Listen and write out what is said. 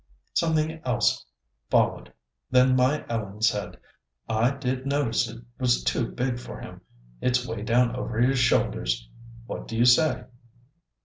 Something else followed, then my Ellen said, "I did notice it was too big for him. It's way down over his shoulders. What do you say?"